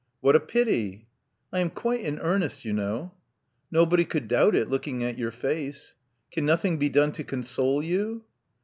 "What a pity!" '*I am quite in earnest, you know." "Nobody could doubt it, looking at your face. Can nothing be done to console you?"